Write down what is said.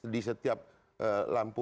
di setiap lampu